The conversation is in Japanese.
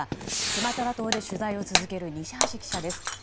スマトラ島で取材を続ける西橋記者です。